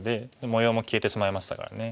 模様も消えてしまいましたからね。